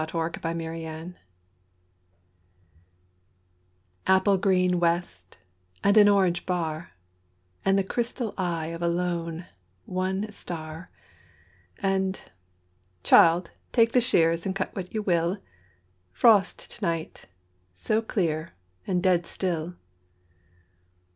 Thomas "Frost To Night" APPLE GREEN west and an orange bar, And the crystal eye of a lone, one star …And, "Child, take the shears and cut what you will, Frost to night—so clear and dead still."